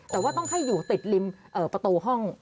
แต่ว่าต้องให้อยู่ติดริมประตูห้อง